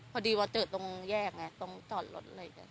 พอดีว่าเจอตรงแยกไงตรงจอดรถอะไรอย่างนี้